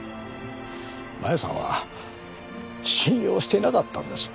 マユさんは信用してなかったんです。